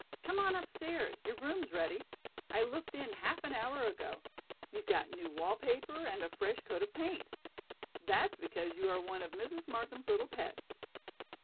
Come on upstairs. Your room's ready. I looked in half an hour ago. You've got new wall paper and a fresh coat of paint. That's because you are one of Mrs. Markham's little pets."